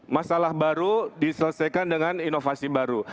masalah baru diselesaikan dengan inovasi baru